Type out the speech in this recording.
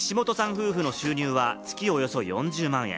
夫婦の収入は月およそ４０万円。